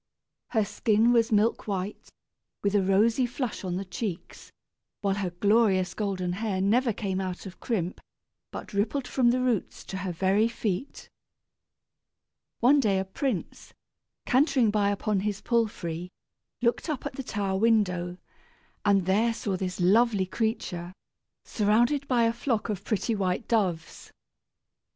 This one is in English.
Her skin was milk white, with a rosy flush on the cheeks, while her glorious golden hair never came out of crimp, but rippled from the roots to her very feet. One day a prince, cantering by upon his palfrey, looked up at the tower window, and there saw this lovely creature, surrounded by a flock of pretty white doves.